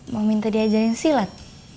mau minta diajarin silat